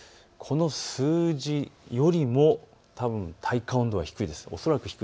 この数字よりもたぶん、体感温度は低いです。